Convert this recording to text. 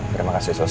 terima kasih sos